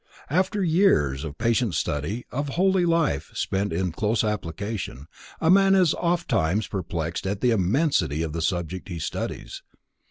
After years of patient study, of holy life spent in close application, a man is oftentimes perplexed at the immensity of the subject he studies.